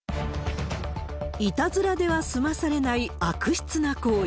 いたずらでは済まされない悪質な行為。